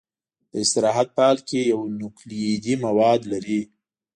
د استراحت په حال کې یو نوکلوئیدي مواد لري.